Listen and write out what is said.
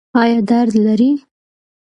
ایا درد لرئ؟